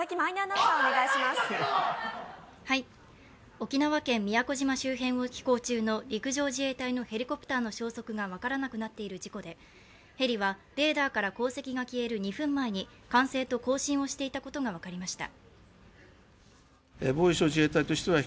沖縄県宮古島周辺を飛行中の陸上自衛隊のヘリコプターの消息が分からなくなっている事故でヘリはレーダーから航跡が消える２分前に管制と交信をしていたことが分かりました。